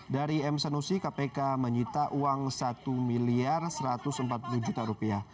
dari m sanusi kpk menyita uang rp satu satu ratus empat puluh